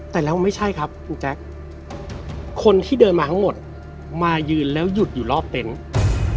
แต่แล้วไม่ใช่ครับคุณแจ๊คคนที่เดินมาทั้งหมดมายืนแล้วหยุดอยู่รอบเต็นต์